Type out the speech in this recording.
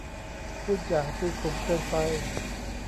พูดอย่างตีขลุมเกินไป